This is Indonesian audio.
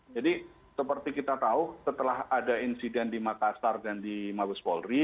jadi seperti kita tahu setelah ada insiden di makassar dan di mabes polri